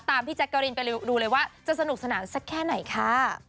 พี่แจ๊กกะรีนไปดูเลยว่าจะสนุกสนานสักแค่ไหนค่ะ